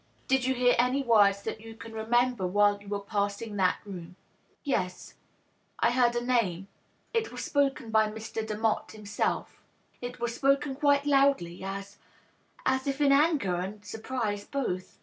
" Did you hear any words that you can remember while you were passing that room ?"" Yes ; I heard a name. It was spoken by Mr. Demotte himself. It was spoken quite loudly, as — as if in anger and surprise, both.